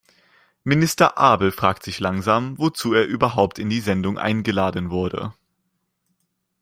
Minister Abel fragt sich langsam, wozu er überhaupt in die Sendung eingeladen wurde.